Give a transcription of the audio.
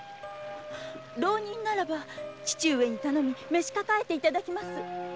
浪人ならば父上に頼み召し抱えて頂きます。